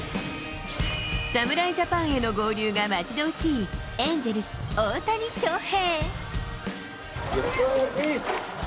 侍ジャパンへの合流が待ち遠しいエンゼルス、大谷翔平。